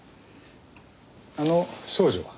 あの少女は？